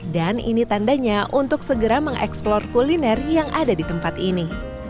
dan ini tandanya untuk segera mengeksplor kuliner yang ada di tempat ini